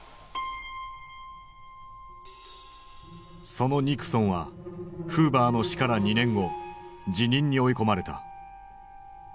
そのニクソンはフーバーの死から２年後辞任に追い込まれた。